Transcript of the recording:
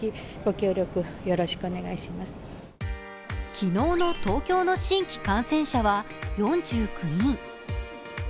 昨日の東京の新規感染者は４９人。